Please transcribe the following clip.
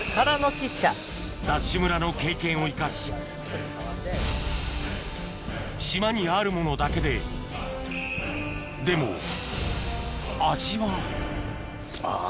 ＤＡＳＨ村の経験を生かし島にあるものだけででも味はあぁ。